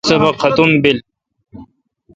می سبق ختم بیل